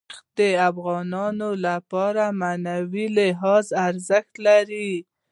تاریخ د افغانانو لپاره په معنوي لحاظ ارزښت لري.